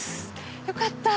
よかった。